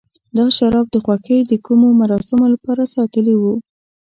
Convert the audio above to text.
دا شراب د خوښۍ د کومو مراسمو لپاره ساتلي و.